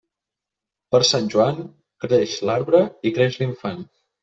Per Sant Joan, creix l'arbre i creix l'infant.